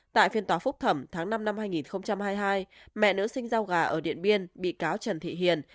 tại phiên tòa phúc thẩm tháng năm năm hai nghìn hai mươi hai mẹ nữ sinh giao gà ở điện biên bị cáo trần thị hiền